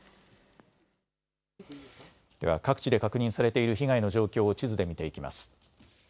では、各地で確認されている被害の状況を地図で見ていきます。